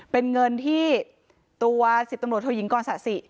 เป็นเงินที่ตัวสิทธิ์ตำรวจโทยิงก่อนศาสิ